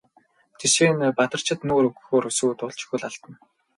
Жишээ нь энэ Бадарчид нүүр өгөхөөр сүйд болж хөл алдана.